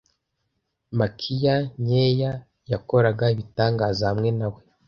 Makiya nkeya yakoraga ibitangaza hamwe na we.